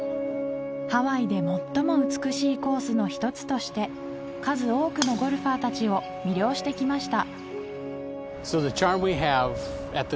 ハワイで最も美しいコースの一つとして数多くのゴルファー達を魅了してきました